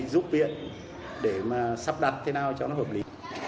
phục viện để mà sắp đặt thế nào cho nó hợp lý